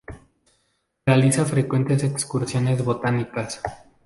Realiza frecuentes excursiones botánicas.